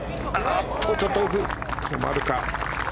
止まるか。